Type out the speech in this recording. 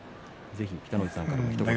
ぜひ北の富士さんからもひと言。